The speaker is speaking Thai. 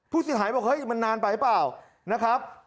ผู้เสียหายบอกมันนานไปเปล่า